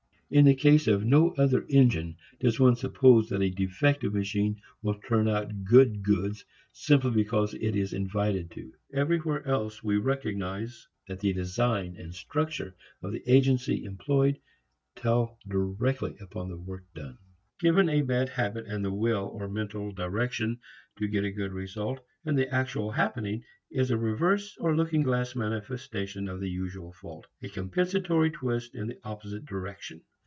In the case of no other engine does one suppose that a defective machine will turn out good goods simply because it is invited to. Everywhere else we recognize that the design and structure of the agency employed tell directly upon the work done. Given a bad habit and the "will" or mental direction to get a good result, and the actual happening is a reverse or looking glass manifestation of the usual fault a compensatory twist in the opposite direction.